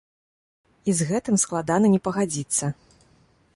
І з гэтым складана не пагадзіцца!